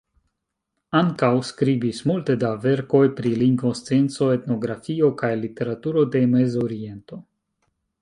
Ankaŭ skribis multe da verkoj pri lingvoscienco, etnografio, kaj literaturo de Mezoriento.